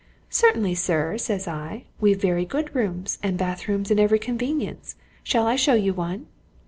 'Certainly, sir,' says I. 'We've very good rooms, and bathrooms, and every convenience shall I show you one?'